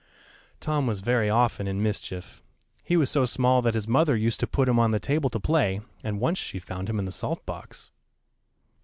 Tom was very often in mischief. He was so small that his mother used to put him on the table to play; and once she found him in the salt box.